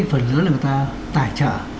phần lớn là người ta tài trợ